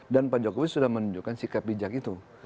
dan pak jokowi sudah menunjukkan sikap bijak itu